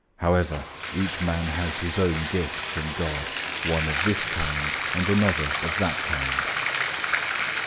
However each man has his own gift from God, one of this kind, and another of that kind.